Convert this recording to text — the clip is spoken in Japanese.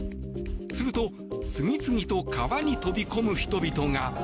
すると次々と川に飛び込む人々が。